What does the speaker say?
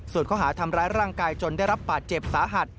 ส่วนข้อหาทำร้ายร่างกายจนได้รับบาดเจ็บสาหัส